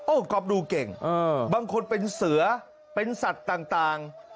ก๊อฟดูเก่งบางคนเป็นเสือเป็นสัตว์ต่าง